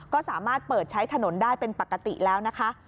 ก็สามารถเปิดใช้ถนนได้เป็นปกติแล้วนะคะ